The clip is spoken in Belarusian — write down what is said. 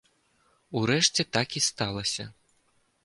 Урэшце, так і сталася.